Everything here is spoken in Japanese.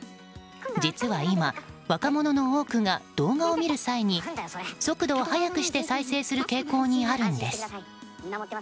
実は今、若者の多くが動画を見る際に速度を早くして再生する傾向にあるんです。